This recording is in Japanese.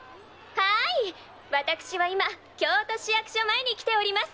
「はい私は今京都市役所前に来ております。